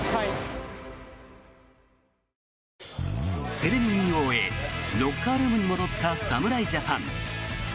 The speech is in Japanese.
セレモニーを終えロッカールームに戻った侍ジャパン。